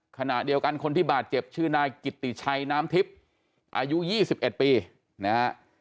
ขณะเดียวกันคนที่บาดเจ็บชื่อนายกิตติชัยน้ำทิพย์อายุ๒๑ปีนะฮะ